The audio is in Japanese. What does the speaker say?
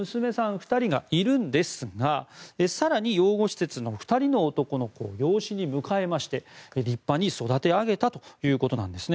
２人がいるんですが更に養護施設の２人の男の子を養子に迎えて立派に育て上げたということなんです。